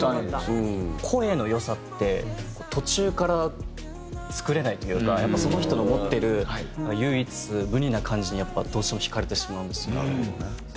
声の良さって途中から作れないというかやっぱその人の持ってる唯一無二な感じにやっぱどうしても惹かれてしまうんですよね。